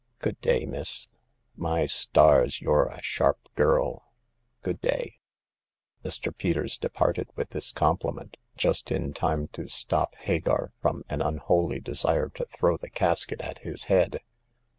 Good day, miss. My stars, you're a sharp girl ! Good day.'' Mr. Peters departed with this compliment, just in time to stop Hagar from an unholy desire to throw the casket at his head.